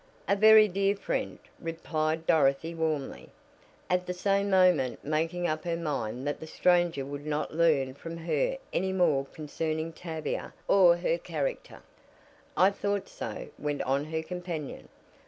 "A very dear friend," replied Dorothy warmly, at the same moment making up her mind that the stranger would not learn from her any more concerning Tavia or her character. "I thought so," went on her companion.